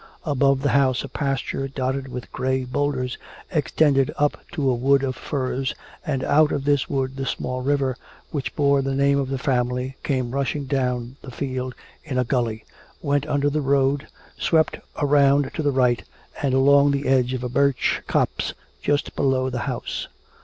Above the house a pasture dotted with gray boulders extended up to a wood of firs, and out of this wood the small river which bore the name of the family came rushing down the field in a gully, went under the road, swept around to the right and along the edge of a birch copse just below the house.